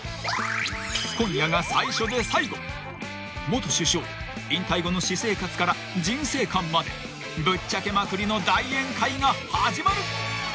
［元首相引退後の私生活から人生観までぶっちゃけまくりの大宴会が始まる］